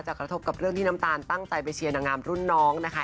กระทบกับเรื่องที่น้ำตาลตั้งใจไปเชียร์นางงามรุ่นน้องนะคะ